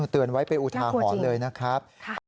เตือนไว้เป็นอุทาหรณ์เลยนะครับ